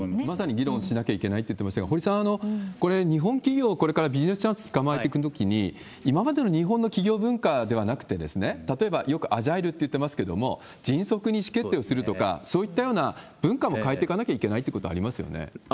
まさに議論しなきゃいけないって言ってましたが、堀さん、これ、日本企業はこれからビジネスチャンスつかまえてくときに、今までの日本の企業文化ではなくて、例えばよくアジャイルと言ってますけれども、迅速に意思決定をするとか、そういったような文化も変えていかなきゃいけないということありますよね。